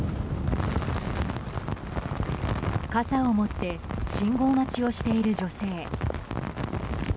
傘を持って信号待ちをしている女性。